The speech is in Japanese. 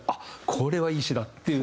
これはいい詞だっていう。